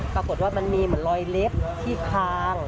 ปรากฏว่ามันมีเหมือนรอยเล็บที่คาง